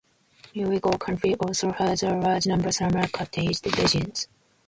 Newaygo County also has a large number summer cottage residents.